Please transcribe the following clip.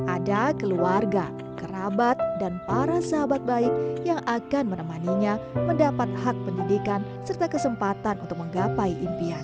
ada keluarga kerabat dan para sahabat baik yang akan menemaninya mendapat hak pendidikan serta kesempatan untuk menggapai impian